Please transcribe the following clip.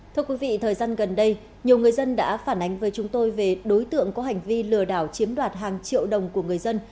thưa quý vị thời gian gần đây nhiều người dân đã phản ánh với chúng tôi về đối tượng có hành vi lừa đảo chiếm đoạt hàng triệu đồng của người dân